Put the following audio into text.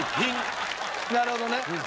なるほどね。